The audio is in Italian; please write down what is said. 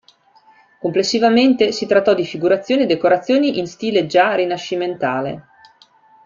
Complessivamente si trattò di figurazioni e di decorazioni in stile già rinascimentale.